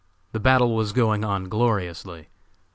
The battle was going on gloriously.